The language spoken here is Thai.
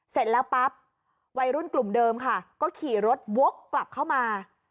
เสร็จแล้วปั๊บวัยรุ่นกลุ่มเดิมค่ะก็ขี่รถวกกลับเข้ามา